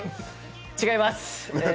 違います！